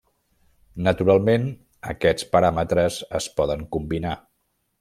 Naturalment, aquests paràmetres es poden combinar.